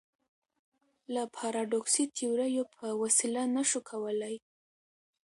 له پاراډوکسي تیوریو په وسیله نه شو کولای.